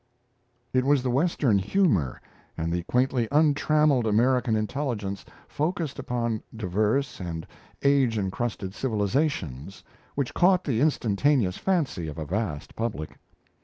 It was the Western humour, and the quaintly untrammelled American intelligence, focussed upon diverse and age encrusted civilizations, which caught the instantaneous fancy of a vast public.